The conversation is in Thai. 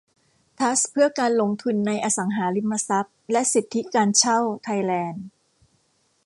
ทรัสต์เพื่อการลงทุนในอสังหาริมทรัพย์และสิทธิการเช่าไทยแลนด์